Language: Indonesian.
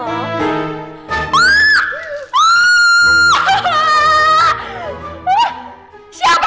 siapa yang lagi jam di sini aku ngaji gue